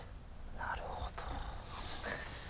なるほど。